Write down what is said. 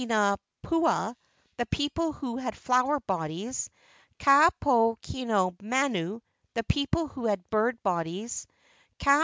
pua (the people who had flower bodies). """ manu (the people who had bird bodies).